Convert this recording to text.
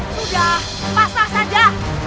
sudah pasang saja